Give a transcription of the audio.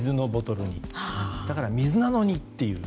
だから、水なのにという。